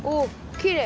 きれい！